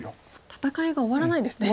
戦いが終わらないですね。